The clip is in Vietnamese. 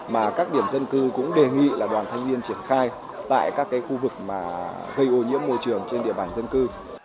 mà các điểm dân cư cũng đề nghị là đoàn thanh niên triển khai tại các khu vực mà gây ô nhiễm môi trường trên địa bàn dân cư